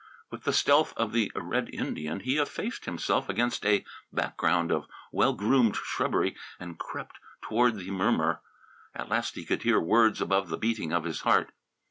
With the stealth of the red Indian he effaced himself against a background of well groomed shrubbery and crept toward the murmur. At last he could hear words above the beating of his heart.